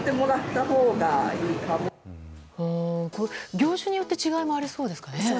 業種によって違いもありそうですかね。